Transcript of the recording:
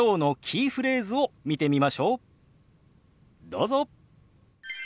どうぞ。